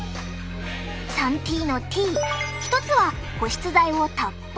３ＴのＴ一つは保湿剤をたっぷり塗ること。